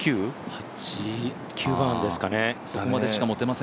８、９番ですかね。